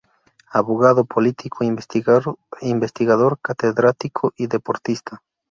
Abogado, político, investigador, catedrático y deportista.